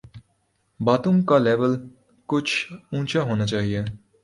باتوں کا لیول کچھ اونچا ہونا چاہیے۔